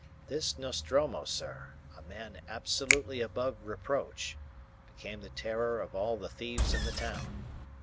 This Nostromo, sir, a man absolutely above reproach, became the terror of all the thieves in the town.